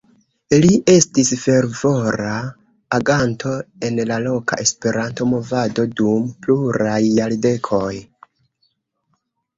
Li estis fervora aganto en la loka Esperanto-movado dum pluraj jardekoj.